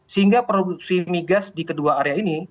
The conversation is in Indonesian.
sehingga produksi migas di kedua area ini